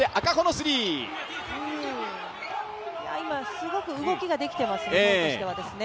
すごく動きができてます日本としては。